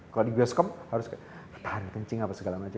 kalau di bioskop harus bertahan kencing apa segala macam